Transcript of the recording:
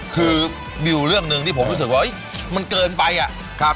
คือมีอยู่เรื่องหนึ่งที่ผมรู้สึกว่ามันเกินไปอ่ะครับ